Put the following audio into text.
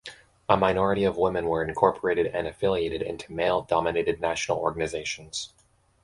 A minority of women were incorporated and affiliated into male-dominated national organisations.